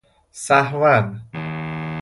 سهواً